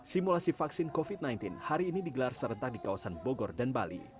simulasi vaksin covid sembilan belas hari ini digelar serentak di kawasan bogor dan bali